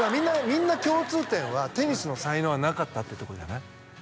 みんな共通点はテニスの才能はなかったってとこじゃない？